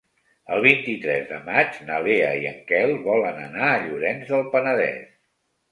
El vint-i-tres de maig na Lea i en Quel volen anar a Llorenç del Penedès.